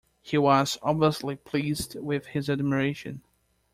He was obviously pleased with his admiration.